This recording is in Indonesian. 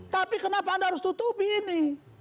tapi kenapa anda harus tutupi ini